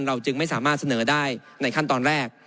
จึงไม่สามารถเสนอได้ในขั้นตอนแรก